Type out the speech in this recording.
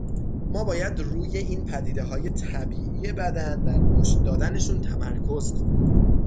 ما باید روی این پدیدههای طبیعیِ بدن و رشد دادنشون تمرکز کنیم.